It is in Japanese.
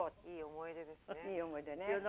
いい思い出ね。